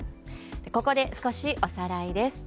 ここで、少しおさらいです。